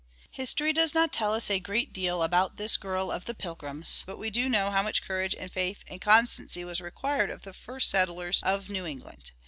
History does not tell us a great deal about this girl of the Pilgrims, but we do know how much courage and faith and constancy was required of the first settlers of New England.